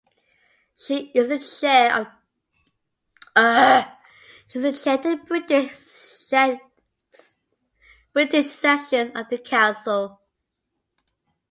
She is the Chair to the British Section of the Council.